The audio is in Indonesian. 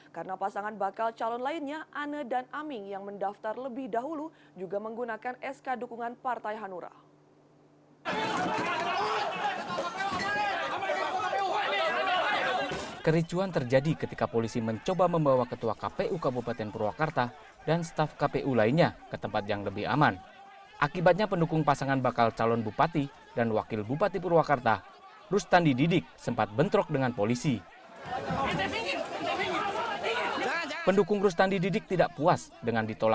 karena pasangan bakal calon lainnya ane dan aming yang mendaftar lebih dahulu juga menggunakan sk dukungan partai hanura